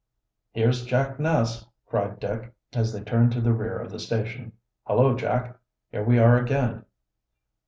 "Here's Jack Ness!" cried Dick, as they turned to the rear of the station. "Hullo, Jack! Here we are again!"